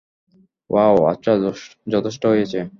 Wow, আচ্ছা, যথেষ্ট হয়েছে।